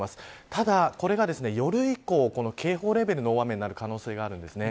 ただ、これが夜以降警報レベルの大雨になる可能性があるんです。